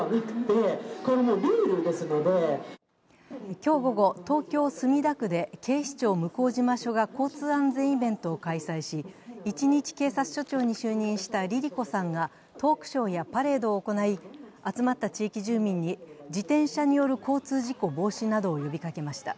今日午後、東京・墨田区で警視庁向島署が、交通安全イベントを開催し一日警察署長に就任したＬｉＬｉＣｏさんがトークショーやパレードを行い、集まった地域住民に自転車による交通事故防止などを呼びかけました。